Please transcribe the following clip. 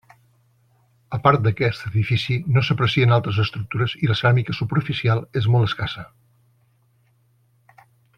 A part d'aquest edifici no s'aprecien altres estructures i la ceràmica superficial és molt escassa.